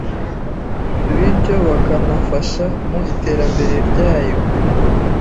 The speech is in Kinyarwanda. bityo bakanafasha mu iterambere ryayo